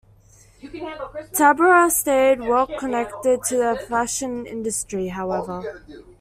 Tabberer stayed well connected to the fashion industry, however.